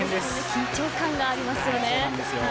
緊張感がありますよね。